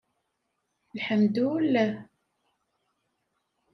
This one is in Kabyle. Lḥemdulleh!